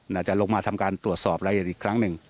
จะลงมาทำการตรวจสอบรายละเอียดอีกครั้งหนึ่ง